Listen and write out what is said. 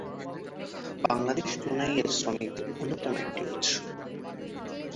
বাংলাদেশ ব্রুনাইয়ের শ্রমিকদের অন্যতম একটি উৎস।